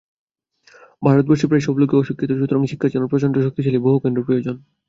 ভারতবর্ষে প্রায় সব লোকই অশিক্ষিত, সুতরাং শিক্ষার জন্য প্রচণ্ড শক্তিশালী বহু কেন্দ্র প্রয়োজন।